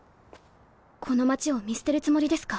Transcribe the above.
この街を見捨てるつもりですか？